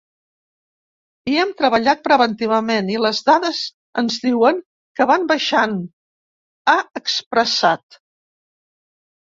Hi hem treballat preventivament i les dades ens diuen que van baixant, ha expressat.